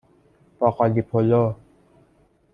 باقالی پلو